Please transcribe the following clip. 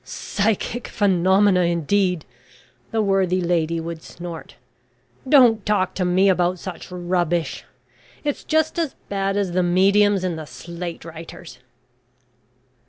"Psychic phenomena, indeed!" the worthy lady would snort. "Don't talk to me about such rubbish! It's just as bad as the mediums and the slate writers."